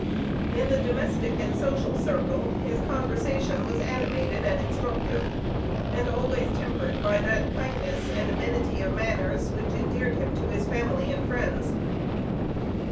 In the domestic and social circle, his conversation was animated and instructive, and always tempered by that kindness and amenity of manners which endeared him to his family and friends.